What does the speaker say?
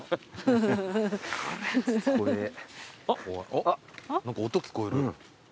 あっ何か音聞こえる。